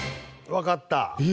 わかった？